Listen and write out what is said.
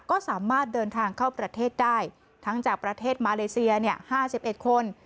ก็สามารถเดินทางเข้าประเทศได้ทั้งจากประเทศมาเลเซีย๕๑คน